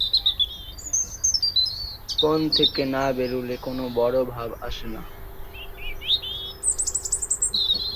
কোণ থেকে না বেরুলে কোন বড় ভাব আসে না।